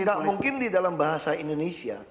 tidak mungkin di dalam bahasa indonesia